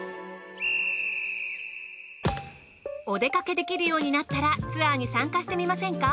お出かけできるようになったらツアーに参加してみませんか？